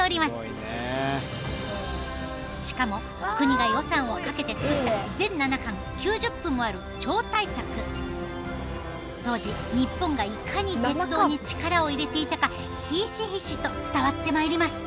しかも国が予算をかけて作った当時日本がいかに鉄道に力を入れていたかひしひしと伝わってまいります。